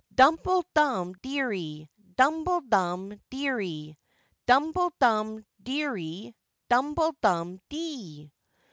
Dumble dum deary, dumble dum deary, Dumble dum deary, dumble dum dee.